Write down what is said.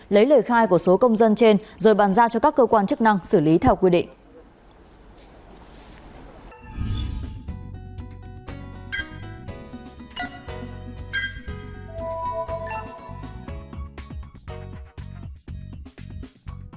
lấy lời khai của số công dân trên rồi bàn ra cho các cơ quan chức năng xử lý theo quy định